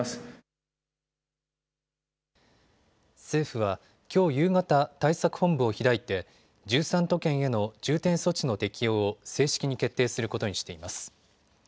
政府はきょう夕方、対策本部を開いて１３都県への重点措置の適用を正式に決定することにしています。